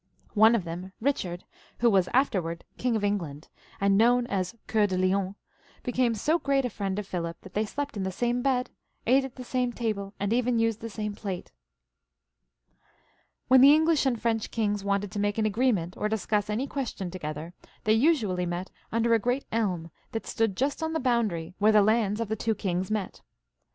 One of them, Kichard, who was afterwards King of England, and known as Coeur de Lion, became so great a friend of Philip that they slept in the same bed, ate at the same table, and even used the same plate. When the English and French kings wanted to make an agreement or discuss any question to gether, they usually met under a great elm that stood just on the boundary where the lands of the two kings met.